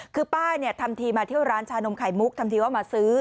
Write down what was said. คือป้าเนี่ยทำทีมาเที่ยวร้านชานมไข่มุกทำทีว่ามาซื้อ